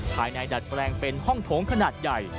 ดัดแปลงเป็นห้องโถงขนาดใหญ่